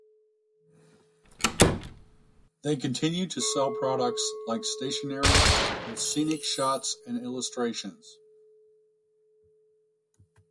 They continue to sell products like stationery with scenic shots and illustrations.